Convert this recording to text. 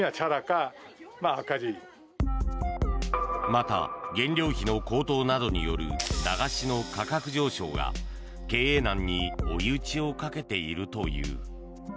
また原料費の高騰などによる駄菓子の価格上昇が経営難に追い打ちをかけているという。